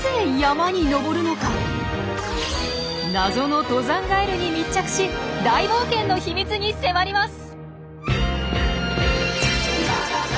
謎の登山ガエルに密着し大冒険の秘密に迫ります！